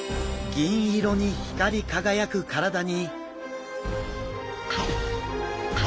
銀色に光り輝く体に。